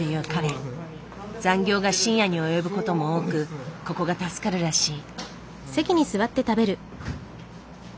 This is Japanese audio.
残業が深夜に及ぶことも多くここが助かるらしい。